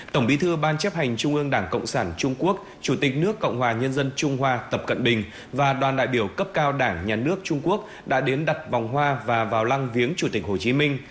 tổng bí thư ban chấp hành trung ương đảng cộng sản trung quốc chủ tịch nước cộng hòa nhân dân trung hoa tập cận bình và đoàn đại biểu cấp cao đảng nhà nước trung quốc đã đến đặt vòng hoa và vào lăng viếng chủ tịch hồ chí minh